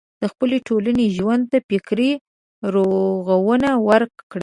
د خپلې ټولنې ژوند ته فکري روغونه ورکړي.